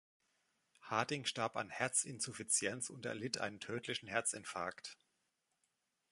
Harding starb an Herzinsuffizienz und erlitt einen tödlichen Herzinfarkt.